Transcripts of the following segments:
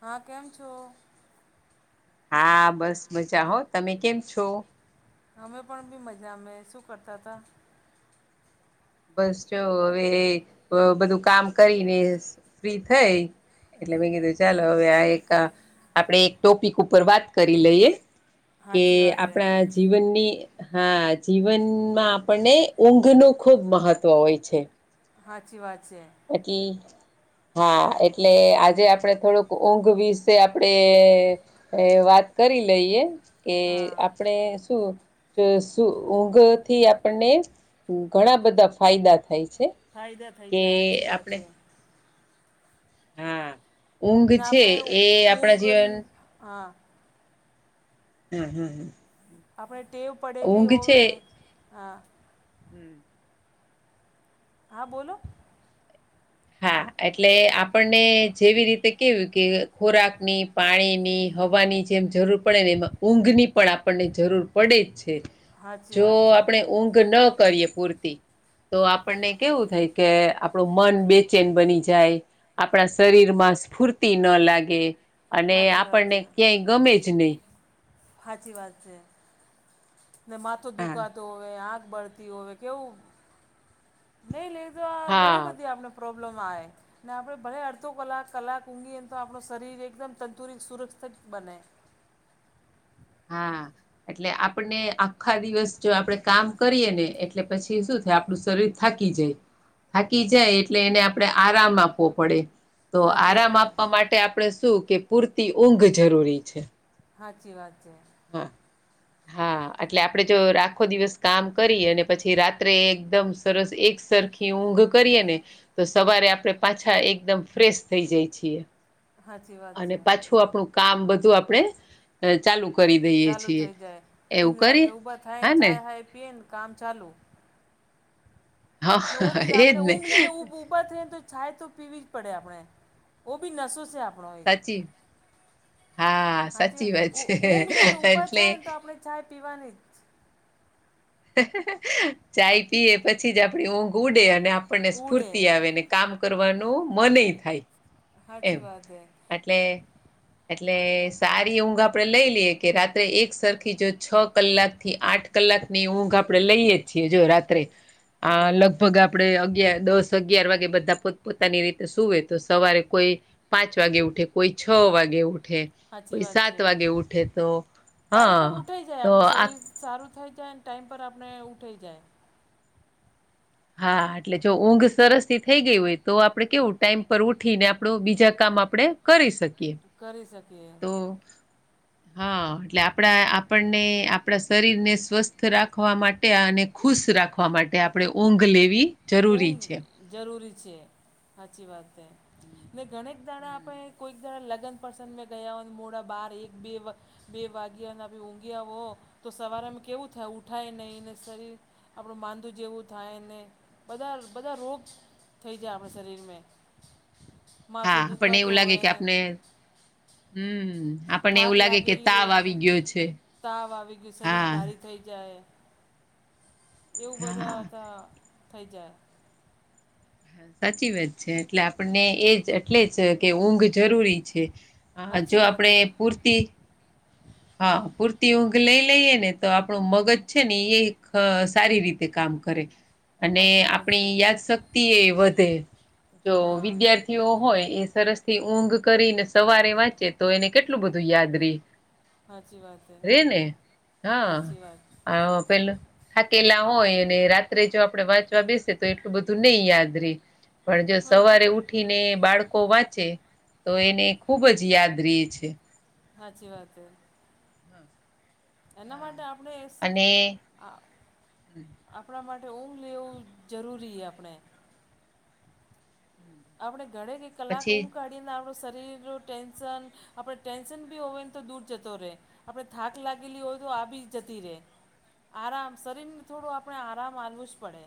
હા કેમ છો. હા બસ મજા હો તમે કેમ છો. અમે પણ બી મજામે શું કરતા હતા બસ ચ હવે બધું કામ કરીને ફ્રી થઈ. એટલે ભ કી તો હા ચાલો હવે આ એક આપણે એક ટોપિક ઉપર વાત કરી લઈએ. કે સાચી વાત હે આપણા જીવનની હા જીવનમાં આપણને ઊંઘ નું ખૂબ મહત્ત્વ હોય છે. સાાચી વાત છે. પી [inaudible] હા એટલે આજે આપડ થોડુંક ઊંઘ વિશે આપડે વાત કરી લઈએ કે હા આપડણે શું? ઊંઘ થી આપણને ઘણા બધા ફાયદા થાય છે. ફાયદા થઈ કે જા સાચી વાત આપણે એ હા ઊંઘ ના છે પેન એ આપણા ઊંઘ ન જીવન હા હમ હમ હમ આપણે ટેવ પડેલી ઊંઘ છે હોવે હા હમ હા બોલો? હા એટલે આપણને જેવી રીતે કેવું કે ખોરાકની પાણી ની હવાની જેમ જરૂર પડે ને એમાં ઊંઘ ની પણ આપણને જરૂર પડે જ છે. સાચી જો વાત છે આપણે ઊંઘ ન કરીએ પૂરતી તો આપણને કેવું થાય કે આપણું મન બે? ચેન બની જાય આપણા શરીર માં સ્ફૂર્તિ ન લાગે. અને સાચી વાત આપણને છે ક્યાંય ગમે જ નહીં. સાચી વાત છે ને માથ હા દુખાતો હોય આગ બળતી હોય. કેવું? નઈ લેજ આ ઘણી હા બધી આપને પ્રોબ્લેમ આવે. ને આપણે ભલે અડધો કલાક કલાક ઊંઘીને તો, આપણું શરીર એકદમ તંતુરિત સુરક્ષિત બને. હા એટલે આપને આખા દિવસ જો આપણેે કામ કરીએ ને એટ એટલે પછી હમ શું થાય આપણું શરીર થાકી જાય થાકી જાય એટલે એને આપણે આરામ આપવો પડે. તો સાચી આરામ વાત છે આપવા માટે આપણે શું કે પૂરતી ઊંઘ જરૂરી છે. સાાચી વાત છે. હા હા એટલે આપણે જો આખો દિવસ કામ કરી અને પછી રાત્રે એકદમ સરસ એક સરખી ઊંઘ કરીએ ને તો સવારે આપણે પાછા એક એકદમ ફ્રેશ થઈ જાય છીએ સાચી વાત અને છે પાછું આપણું કામ બધું આપણે ચાલુ કરી દઈએ ચાલુ છીએ. થઈ જાય એવું તીન કરીએ? વાગે ઊભા થાય ને ચાય હાય પીએ ને કામ ચાલુ. ને ઓ હા બી આપણે એજ ને ઊંઘ લઈને ઊભું પાતે તો છાાય તો પીવી જ પડે આપણે ઓ ભી નસો છે આપણે સાચી હા હચ સાચી વાત છે ઊંઘ લઈને ઉભા એટલે થાય ને તો આપણે ચાય પીવાની ચાય પીએ પછી જ આપણી ઊંઘ ઉડે અને આપણને જ ઉડે સ્ફૂર્તિ આવે ને કામ કરવાનું મનેય થાય. એમ હાચી વાત એટલે એટલે સારી ઊંઘ આપડે લઈ લઈએ કે રાત્રે એક સરખી જો છ કલાક થી આઠ કલાક ની ઊંઘ આપડે લઈએ છીએ, જો રાત્રે આ હા લગ ગભગ આપણે અગિયાર દસ અગિયાર વાગે બધા પોત પોતાની રીતે સુવે તો સવારે કોઈ પાંચ વાગે ઉઠે કોઈ છ વાગે ઉઠે. સાચી કોઈ વાત સાત છે વાગે ઉઠે તો ટાઈમ પર હા ઉઠાઈ જાય તો આપણું આ શરીર સારું થઈ જાય ટાઈમ પર આપણે ઉઠી જાય હા એટલે જો ઊંઘ સરસ થી થઈ ગઈ હોય તો આપડે કેવું ટાઈમ પર ઉઠી ને આપણું બીજા કામ આપણે કરી શકીએ કરી શકીએ. તો હા એટલે આપણા આપણને આપણા શરીરને સ્વસ્થ રાખવા માટે અને ખુશ રાખવા માટે આપણે ઊંઘ લેવી જરૂરી ઊંઘ છે. જરૂરી છે સાચી વાત હમ્મ. મે ગ્બા કોઈક દાણા પણે કોઈક દાણા લગન પસંગે મે ગયા હો મોડા બાર એક બે બે વાગ્યા ના બે ઊંઘ્યા હો તો સવારેમાં કેવું થાય ઉઠાય નહીને શરીર આપણું માંદું જેવું થાય ને બધા બધા રોગ થઈ જાય આપણા શરીરમેં માથો હા, આપણને દુખા તો એવું લાગે હોય કે આપને હમ્મ આપણને થાક એવું લાગે કે લાગેલી તાવ હોય ને આવી ગયો છે. તાવ આવી ગય શરીર હા, ભારી થઈ જાય એવું બધા હા. હતા થઈ જાય સાચી વાત છે એટલે આપણને એજ એટલે જ કે ઊંઘ જરૂરી છે હ જો સાચી વાત છે આપણે પૂરતી હા પૂરતી ઊંઘ લઈ લઈએ ને તો આપણું મગજ છે ને એ સારી રીતે તે કામ કરે અને સાચી વાત છે આપણી યાદ શક્તિ એ વધે જો હા વિદ્યાર્થી હોય એ સરસ થી ઊંઘ કરીને સવારે વાંચે તો એને કેટલું બધું યાદ રહી સાાચી વાત છે રે ને સાચી વાત હા પેલું થાકેલા હોય અને રાત્રે જો આપણેે વાંચવા બેસે તો એટલું બધું નહી યાદ રહી પણ જો સવારે ઉઠીને બાળકો વાંચે તો એને ખૂબ જ યાદ રયેછે સાચી વાત હે હા એના હા. માટે આપણેે અને આ હમ. આપણા માટે ઊંઘ લેવું જરૂરીએ આપણે આપડણે ઘરે કે કલાક ઊંગ પછી કા આપણું શરીરનું ટેન્શન આપણે ટેન્શન બી હોય ને તો દૂર જતો રહે આપણે થાક લાગેલી હોય તો આવી બી જતી રે આરામ શરીરને થોડું આપણે આરામ આલવું જ પડે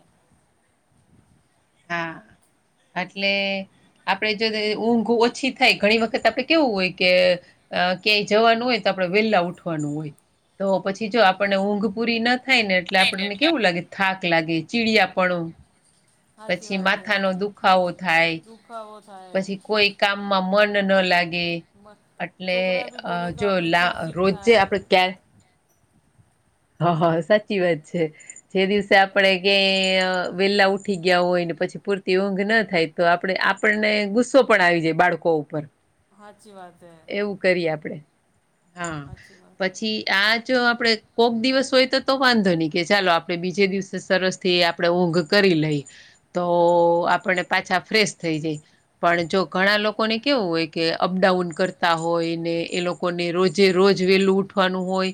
હા એટલે આપડણે જો ઊંઘ ઓછી થાય ઘણી વખત આપડે કેવું હોય કે અ ક્યાંય જવાનું હોય તો આપડણે વેલા ઉઠવાનું હોય તો પછી જો આપને ઊંઘ પુરી નથી થાય ને એટલે થાય આપણને એટલે કેવું લાગે થાક લાગે ચીડિયાપણુ સાચી પછી વાત હે માથા નો દુખાવો થાય દુખાવો થાય પછી કોઈ કામમાં મન ન લાગે મ અટલે છોકરા બી અ બોલે તો જો આપણે લા ચીડચીડ રોજ થાય આપડે ક હા હા સાચી વાત છે જે દિવસે આપણેે કે વેલા ઉઠી ગયા હોય ને પછી પૂરતી ઊંઘ ના થાય તો આપણે આપણને ગુસ્સો પણ આવી જાય બાળકો ઉપર સાચી વાત હે એવું કરીએ આપડે હા સાચી વાત હે પછી આ જો આપડે કોગ દિવસ હોય તો તો વાંધો નહી કે ચાલો આપડણે બીજે દિવસે સરસ થી આપણે ઊંઘ કરી લઈ તો હા આપણને પાછા ફ્રેશ થઈ જાય પણ જો ઘણા લોકો લોકોને કેવું હોય કે અપડાઉન કરતા હોય ને એ લોકોને રોજે રોજ વેલું ઉઠવાનું હોય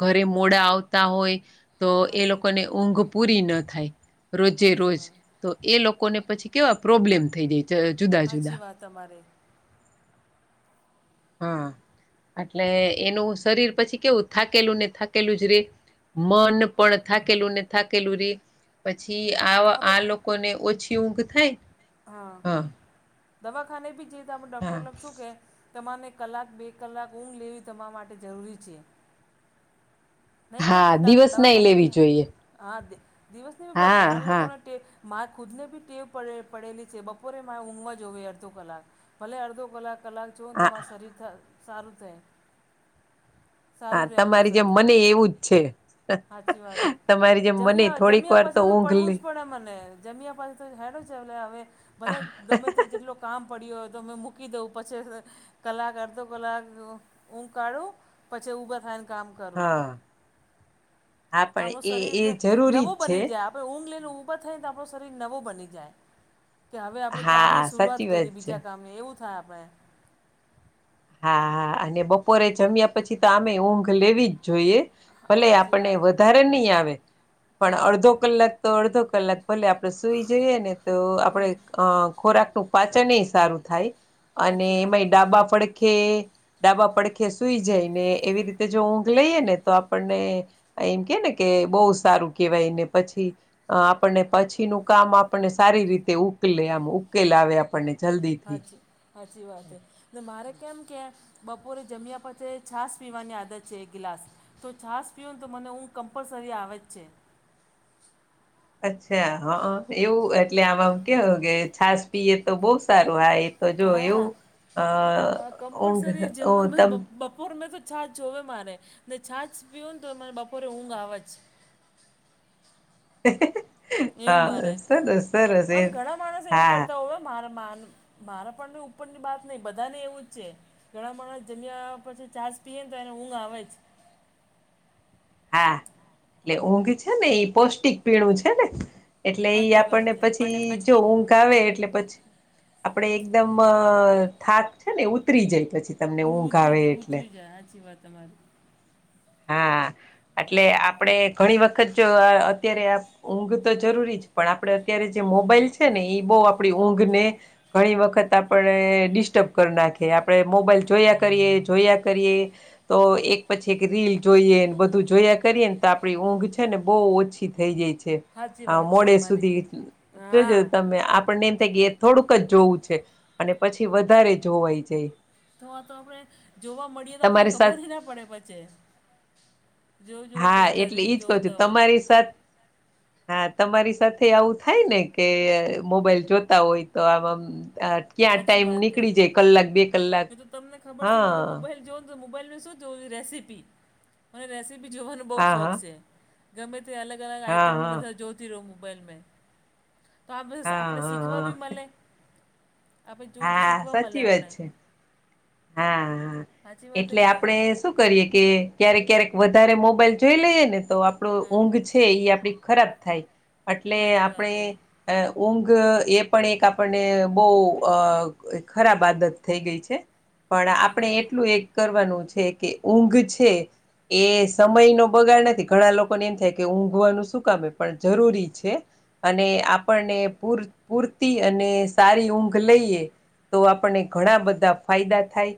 ઘરે મોડા આવતા હોય તો સાચી એ સાચી લોકોને વાત ઊંઘ પૂરી ન થાય રોજે સાચી રોજ વાત તો એ લોકોને પછી કેવા પ્રોબ્લેમ થઈ જાય જ સાચી જુદા-જુદા. [inaudible] વાત તમારી હા એટલે એનું શરીર પછી કેવું થાકેલું ને થાકેલું જ રે મન પણ થાકેલું ને થાકેલું રે પછી આ આ લોકોને ઓછી ઊંઘ થાય હા દવાખાને બી જઈએ તમે હા ડોક્ટરને શું કહે તમાને કલાક, બે કલાક ઊંઘ લેવી તમારા માટે જરૂરી છે. નહીં કેતા હા દ દિવસ નઈ દવાખાને મે, લેવી જોઈએ હા દે, દિવસને બી બહોત હા ઘણા હા લોકોને ટેવ મારે ખુદને બી ટેવ પડે પડેલી છે, બપોરે મારે ઊંઘવા જોવે અડધો કલાક. ભલે અડધો કલાક, કલાક જોવો ને, તો માર હા શરીર થ સારું થાય. હા. સારું રહે તમારી જેમ મનેય એવું જ છે. હાચી વાત હે. તમારી જેમ મને થોડીક જમ્યા-જમ્યા વાર પછી તો ઊંઘ પડવું લે જ પડે મને, જમ્યા પછી તો હારું ઓલા હવે ભલે હા ગમે તે જેટલો કામ પડ્યો હોય, તો મે મૂકી દઉં પછી કલાક, અડધો કલાક ઊંઘ કાઢું, પછી ઊભા થઈને કામ કરું. હા તો પણ આપણો એ એ શરીર જરૂરી નવો જ છે બની જાય, આપણે ઊંઘ લઈને ઊભા થઈને તો આપણો શરીર નવો બની જાય. કે હવે આપણે કામ હા ની સાચી શુરૂઆત વાત કરીએ છે બીજા કામની, એવું થાય આપણે. હા હા અને બપોરે જમ્યા પછી તો આમે ઊંઘ લેવી જ જોઈએ. ભલે સાચી આપણને વાત વધારે નહીં આવે, પણ હા અડધો કલાક તો અડધો કલાક ભલે આપ આપણે સુઈ જઈએ ને તો આપડે હમ અહ ખોરાક નું પાચન એય સારું થાય. અને સાચી એમાંય વાત ડાબા ફડખે ડાબા પડખે સુઈ જાય ને એવી રીતે જો ઊંઘ લઈએ ને તો આપણને એમ કે ને કે બહુ સારું કેવાયને, પછી અહ આપણને પછી નું કામ આપણને સારી રીતે ઉકલે આમ ઉક કેલ આવે આપણને જલ્દીથી. હાચી હાચી વાત છે. ને મારે કેમ કે બપોરે જમ્યા પછી છાશ પીવાની આદત છે એક ગ્લાસ. તો છાશ પીઉં ને તો મને ઊંઘ કમ્પલસરી આવે જ છે. અચ્છા, હં, એવું એટલે આમાં કેવું કે છાશ પીએ તો બહુ સ સારું. હા એ તો જો હા એવું અહ અ ઊંઘ કમ્પલસરી ઓ જમવામાં તમ બ બપોર મે તો છાછ જોવે મારે, ને છાછ પીઉં ને તો મને બપોરે ઊંઘ આવે જ. એવું મારે. હા સરસ સરસ એ આમ ઘણા માણસ એવું હા કરતા હોય હો મારે માન મારા પણ ની ઉપરની બાત નહીં બધા ને એવું જ છે. ઘણા માણસ જમ્યા પછી છાસ પીએ ને તો એને ઊંઘ આવે જ. હા એટલે ઊંઘ છે ને ઈ પૌષ્ટિક પીણું છે ને. એટલે ઈ હાચી વાત આપણને છે પછી અને જો ઊંઘ ઘ આવે એટલે પછી, આપણેે એકદમ એ થાક છે ને એ ઉતરી જાય પછી. તમને ઊંઘ ઉતરી આવે જાય, એટલે ઉતરી જાય હાચી વાત તમારી. હા. એટલે આપડે ઘણી વખત જો અત્યારે આમ ઊંઘ તો જરૂરી જ, પણ આપડે અત્યારે જે મોબાઈલ છે ને એ બહુ આપડી ઊંઘ ને ઘણી વખત આપણે ડિસ્ટર્બ કર નાખી, આપણે મોબાઈલ જોયા કરીએ, જોયા કરીએ તો એક પછી એક કે રીલ જોઈએ, ને બધું જોયા કરીએ ને તો આપણી ઊંઘ છે ને બહુ ઓછી થઈ જાય છે. સાચી આ વાત છે મોડે તમારી સુધી, જોજો હા. તમે આપ પણ એમ થાય કે એ થોડુંક જ જોવું છે, પણ પછી વધારે જોવાઈ જાય. તો આ તો આપણે જોવા મળીએ તો આપણે તમારી ખબર સાથે હી ના પડે પછે. હા, એટલે ઈજ કહું છું, તમારી સાથ હા. તમારી સાથેય આવું થાય ને કે મોબાઈલ જોતા હોય તો આમ-આમ અહ ક્યાં ટાઈમ નીકળી જાય કલાક, બે કલાક મેં તો તમને ખબર છે મેં તો હા મોબાઈલ જોવ ને તો મોબાઈલને શું જોવું રેસીપી અને રેસીપી જોવાનો બ હા શોખ હા છે ગમે તે અલગ અલગ હા આઈટમ હા બધા જો તીરો મોબાઈલ મે, તો આપ હા આપણે હા શીખવા હા ભી મલે. આપણે જોઈએ તો શીખવા મલે સાચી વાત આપણે. છે હા, હા. સાચી વાત હે એટલે કે નહીં આપડે સ શું કરીએ કે ક્યારેક-ક્યારેક વધારે મોબાઈલ જોઈ લઈએ ને તો આપડો હા ઊંઘ છ છે, એ આપડી ખરાબ થાય એટલે સાચી આપણે વાત હે અ ઊંઘ એ પણ એક આપણને બહ અ ખરાબ આદત થઈ ગઈ છે. પણ સાચી આપણે વાત એટલું એક કરવાનું છે કે ઊંઘ છે. એ સમયનોો બગાડ નથી ઘણા લોકોને એમ થાય કે ઊંઘવાનું શું કમે પણ જરૂરી છે. અને આપણને પૂર પૂરતી અને સારી ઊંઘ લઈએ તો આપણને ઘણા બધા ફાયદા થાય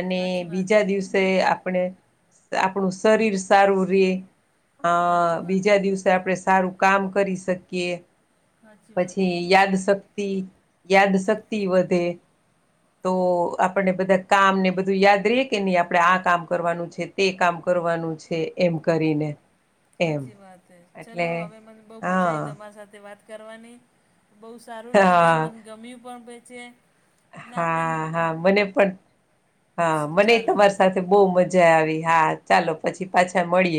અને સાચી વાત બીજા છે દિવસ આપણે આપણું શરીર સારું રે અ સાચી વાત છે બીજા દિવસે આપણે સારું કામ કરી શકીએ સાચી વાત છે પછી યાદ શક્ યાદ શક્તિ વધે તો આપને બધા કામ ને બધું યાદ ર કે નહી આપડે આ કામ કરવાનું છે તે કામ કરવાનું છે. એમ કરીને એમ સાચી વાત હ એટલે ચલો હવે મને બહઉ મજા આવીઈ હા તમારા સાથે વાત કરવાની બઉ સારું લાગ્યું હા મને ગમ્યું પણ પ છે. ને આપણે હા હા મને પણ હા મને ચાલો તમારે સાથે બહુ મજા આવી હા ચાલો પછી પાછા મળીએ